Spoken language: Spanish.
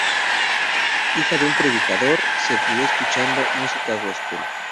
Hija de un predicador, se crio escuchando música gospel.